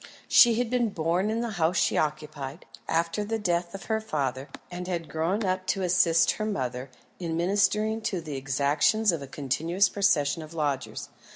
She had been born in the house she occupied, after the death of her father, and had grown up to assist her mother in ministering to the exactions of a continuous procession of lodgers.